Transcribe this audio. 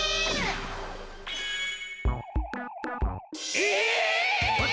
え！